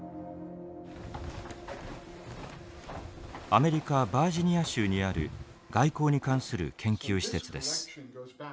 アメリカ・バージニア州にある外交に関する研究施設です。